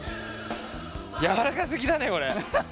やわらかすぎだねこれ。